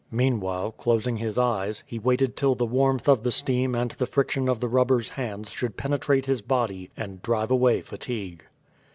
Meanwhile, closing his eyes, he waited till the warmth of the steam and the friction of the rubbers' hands should penetrate his body and drive away fatigue.